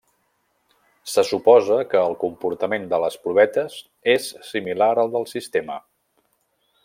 Se suposa que el comportament de les provetes és similar al del sistema.